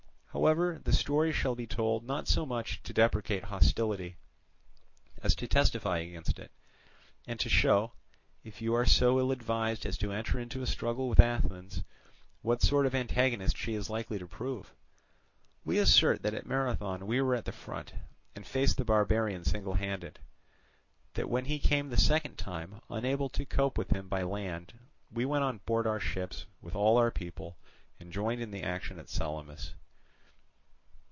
However, the story shall be told not so much to deprecate hostility as to testify against it, and to show, if you are so ill advised as to enter into a struggle with Athens, what sort of an antagonist she is likely to prove. We assert that at Marathon we were at the front, and faced the barbarian single handed. That when he came the second time, unable to cope with him by land we went on board our ships with all our people, and joined in the action at Salamis.